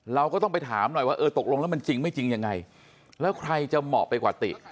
เราก็ต้องไปถามหน่อยว่าเออตกลงแล้วมันจริงไม่จริงยังไงแล้วใครจะเหมาะไปกว่าติ